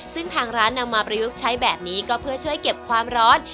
ซึ่งทางร้านนำมาประยุกต์ใช้แบบนี้ก็เพื่อช่วยเก็บความร้อน